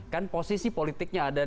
kan posisi politiknya ada